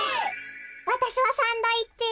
わたしはサンドイッチ。